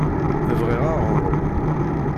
Bɣiɣ aɣrum.